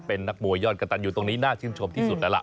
เป็นนักมวยยอดกระตันอยู่ตรงนี้น่าชื่นชมที่สุดแล้วล่ะ